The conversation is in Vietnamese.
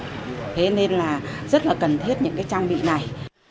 thế nên là rất là cần thiết những cái trang bị này